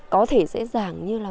có thể sẽ giảng như là